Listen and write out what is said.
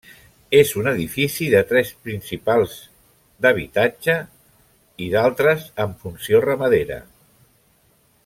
És un edifici de tres principals d'habitatge, i d'altres amb funció ramadera.